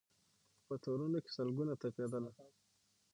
په تورونو کي سل ګونه تپېدله